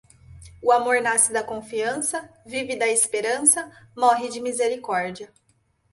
O amor nasce da confiança, vive da esperança, morre de misericórdia.